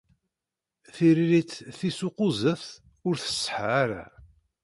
Tiririt tis ukuẓẓet ur tseḥḥa ara.